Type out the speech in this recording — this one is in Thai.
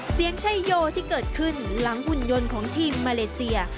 ชัยโยที่เกิดขึ้นหลังหุ่นยนต์ของทีมมาเลเซีย